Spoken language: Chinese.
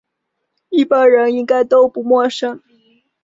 一般人应该都不陌生